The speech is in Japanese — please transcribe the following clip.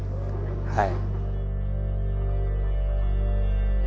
はい。